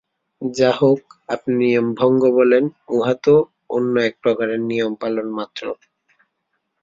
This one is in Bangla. যাহাকে আপনি নিয়ম-ভঙ্গ বলেন, উহা তো অন্য এক প্রকারে নিয়মপালন মাত্র।